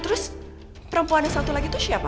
terus perempuan yang satu lagi itu siapa